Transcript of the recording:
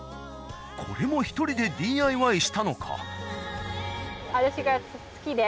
これも１人でＤＩＹしたのか。